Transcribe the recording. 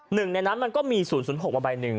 หนึ่งในนั้นมันก็มี๐๐๖มาใบหนึ่ง